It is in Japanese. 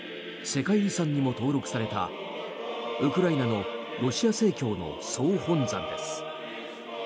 世界遺産にも登録されたウクライナのロシア正教の総本山です。